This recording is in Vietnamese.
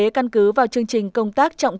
để cân cứ vào chương trình công tác trọng tâm